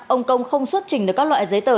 ông công không xuất trình được các loại giấy tờ